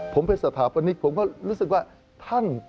ผมเป็นสถาปนิกผมก็รู้สึกว่าท่าน